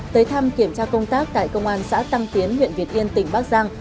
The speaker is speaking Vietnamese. tới thăm kiểm tra công tác tại công an xã tăng tiến huyện việt yên tỉnh bắc giang